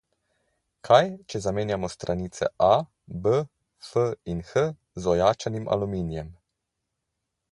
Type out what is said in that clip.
Kaj, če zamenjamo stranice A, B, F in H z ojačanim aluminijem?